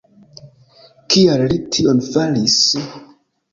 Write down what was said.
Kial li tion faris?